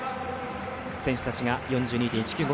選手たちが４２．１９５